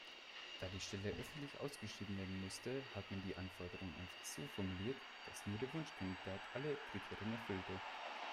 Da die Stelle öffentlich ausgeschrieben werden musste, hat man die Anforderungen einfach so formuliert, dass nur der Wunschkandidat alle Kriterien erfüllte.